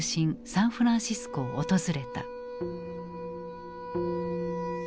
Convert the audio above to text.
サンフランシスコを訪れた。